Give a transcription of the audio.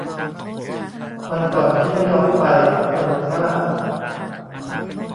วันก่อนพี่ไม่ยอมไป สนุกมาก